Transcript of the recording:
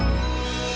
sampai jumpa lagi